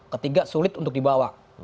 ketiga sulit untuk dibawa